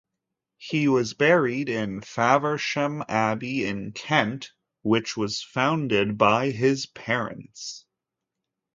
He was buried in Faversham Abbey in Kent, which was founded by his parents.